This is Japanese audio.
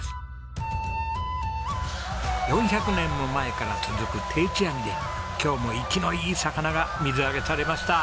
４００年も前から続く定置網で今日も生きのいい魚が水揚げされました。